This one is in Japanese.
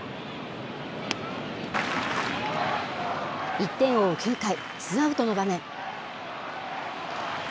１点を追う９回、ツーアウトの場面。